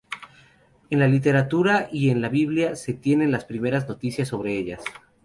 En la literatura y en la Biblia se tienen las primeras noticias sobre ellas.